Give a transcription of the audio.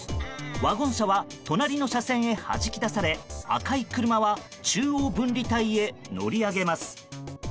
ワゴン車は隣の車線へはじき出され赤い車は中央分離帯へ乗り上げます。